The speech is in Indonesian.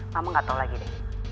mama gak tau lagi deh